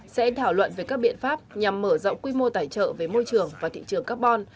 sẽ thảo luận về các biện pháp nhằm mở rộng quy mô tài trợ về môi trường và thị trường carbon